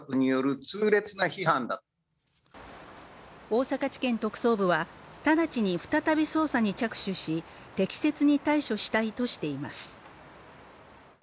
大阪地検特捜部は、直ちに再び捜査に着手し適切な対処したいとしています。